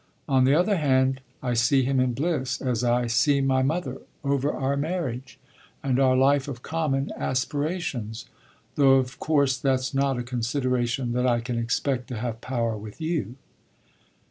On the other hand I see him in bliss, as I see my mother, over our marriage and our life of common aspirations though of course that's not a consideration that I can expect to have power with you."